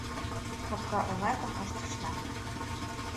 Капка оҥатым ыштышна.